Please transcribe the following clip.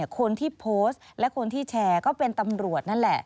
คนที่โพสต์และคนที่แชร์ก็เป็นตำรวจนั่นแหละ